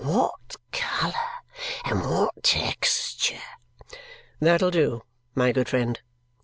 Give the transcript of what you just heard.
What colour, and what texture!" "That'll do, my good friend!"